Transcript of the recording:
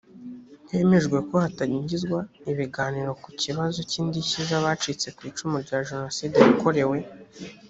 hemejwe ko hatangizwa ibiganiro ku kibazo cy indishyi z abacitse ku icumu rya jenoside yakorewe